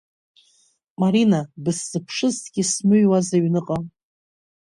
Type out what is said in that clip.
Марина, бысзыԥшызҭгьы смыҩуаз аҩныҟа.